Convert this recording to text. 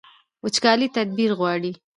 وچکالي تدبیر غواړي